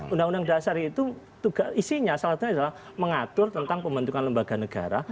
undang undang dasar itu isinya salah satunya adalah mengatur tentang pembentukan lembaga negara